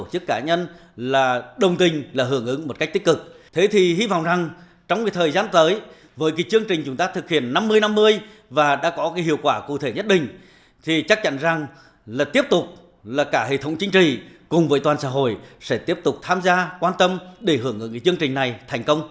tổ chức cá nhân là đồng tình là hưởng ứng một cách tích cực thế thì hy vọng rằng trong thời gian tới với cái chương trình chúng ta thực hiện năm mươi năm mươi và đã có cái hiệu quả cụ thể nhất định thì chắc chắn rằng là tiếp tục là cả hệ thống chính trị cùng với toàn xã hội sẽ tiếp tục tham gia quan tâm để hưởng ứng cái chương trình này thành công